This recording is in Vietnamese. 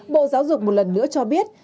bộ giáo dục một lần nữa cho biết